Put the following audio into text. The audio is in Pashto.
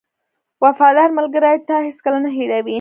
• وفادار ملګری تا هېڅکله نه هېروي.